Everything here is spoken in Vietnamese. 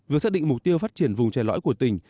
vừa xác định mục tiêu phát triển vùng trẻ lõi của tỉnh